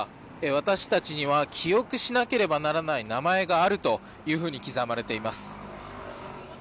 私たちには記憶しなければならない名前があるというふうに刻まれています。